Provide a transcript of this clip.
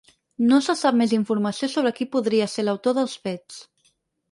No se sap més informació sobre qui podria ser l’autor dels fets.